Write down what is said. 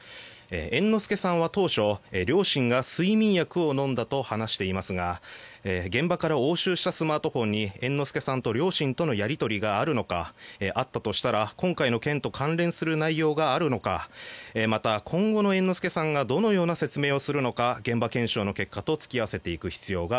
猿之助さんは当初、両親が睡眠薬を飲んだと話していますが現場から押収したスマートフォンに猿之助さんと両親とのやり取りがあるのかあったとしたら今回の件と関連する内容があるのかまた、今後の猿之助さんがどのような説明をするのか現場検証の結果と突き合わせていく必要が